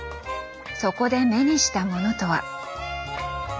そこで目にしたものとは。